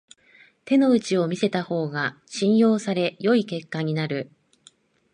手の内を見せた方が信用され良い結果になる